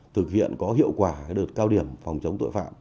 thực hiện có hiệu quả đợt cao điểm phòng chống tội phạm